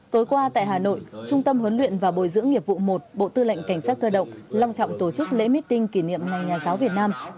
tối qua tại hà nội trung tâm huấn luyện và bồi dưỡng nghiệp vụ một bộ tư lệnh cảnh sát cơ động long trọng tổ chức lễ meeting kỷ niệm ngày nhà giáo việt nam